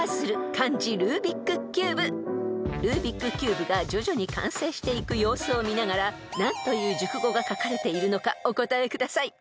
［ルービックキューブが徐々に完成していく様子を見ながら何という熟語が書かれているのかお答えください］